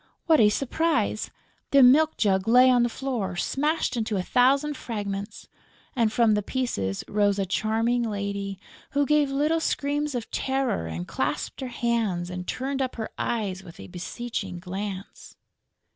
What a surprise! The milk jug lay on the floor, smashed into a thousand fragments, and from the pieces rose a charming lady, who gave little screams of terror and clasped her hands and turned up her eyes with a beseeching glance.